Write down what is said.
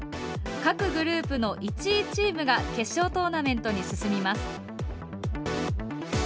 各グループの１位チームが決勝トーナメントに進みます。